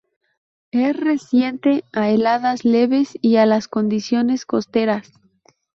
Es resistente a heladas leves y a las condiciones costeras.